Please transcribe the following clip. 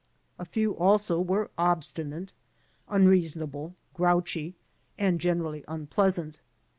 A few also were obstinate, unreasonable, grouchy and generally unpleasant.